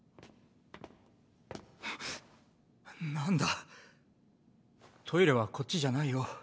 なんだトイレはこっちじゃないよ。